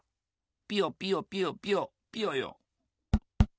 ピヨピヨピヨピヨピヨヨ。